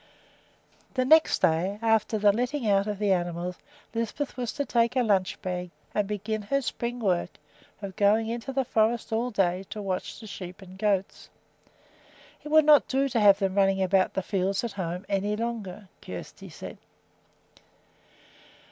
The next day after the letting out of the animals Lisbeth was to take a lunch bag and begin her spring work of going into the forest all day to watch the sheep and goats. It would not do to have them running about the fields at home any longer, Kjersti said.